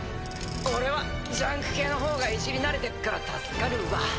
俺はジャンク系の方がいじり慣れてっから助かるわ。